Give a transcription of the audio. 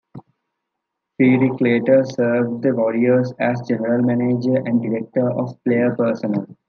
Feerick later served the Warriors as general manager and director of player personnel.